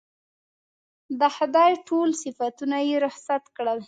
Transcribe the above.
د خدای ټول صفتونه یې رخصت کړل.